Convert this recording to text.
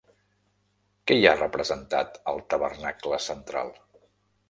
Què hi ha representat al tabernacle central?